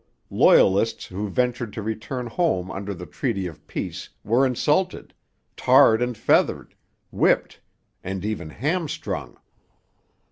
Loyalists who ventured to return home under the treaty of peace were insulted, tarred and feathered, whipped, and even ham strung.